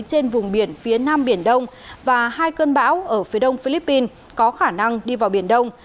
trên vùng biển phía nam biển đông và hai cơn bão ở phía đông philippines có khả năng đi vào biển đông